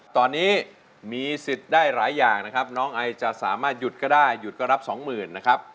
ตอนนี้มีสิทธิ์ได้หลายอย่างนะครับน้องไอจะสามารถหยุดก็ได้หยุดก็รับสองหมื่นนะครับ